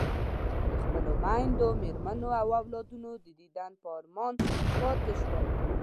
د خپلو میندو، مېرمنو او اولادونو د دیدن په ارمان پاتې شول.